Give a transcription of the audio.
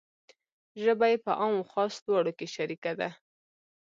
ژبه یې په عام و خاص دواړو کې شریکه ده.